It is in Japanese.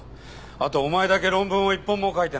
あとお前だけ論文を一本も書いてない。